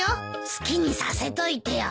好きにさせといてよ。